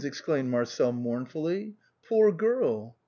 " exclaimed Marcel mournfully, " poor girl."